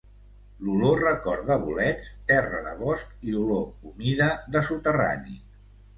L'olor recorda bolets, terra de bosc i olor humida de soterrani.